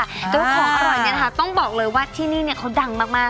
แต่ว่าของอร่อยเนี่ยนะคะต้องบอกเลยว่าที่นี่เขาดังมาก